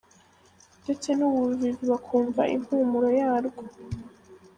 Ndetse n’ubuvivi bakumva impumuro yarwo !.